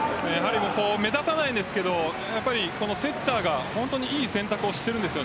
目立たないんですけどセッターが本当に良い選択をしているんです。